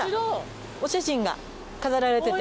お写真が飾られてて。